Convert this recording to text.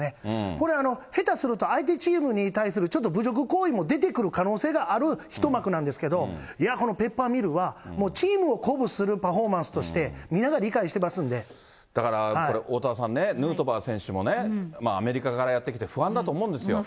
これ、下手すると相手チームに対するちょっと侮辱行為も出てくる可能性がある一幕なんですけど、いや、この、ペッパーミルはチームを鼓舞するパフォーマンスとして皆が理解しだからこれ、おおたわさんね、ヌートバー選手もね、アメリカからやって来て不安だと思うんですよ。